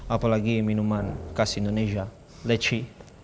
apalagi minuman khas indonesia leci